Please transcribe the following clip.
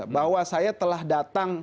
bahwa saya telah datang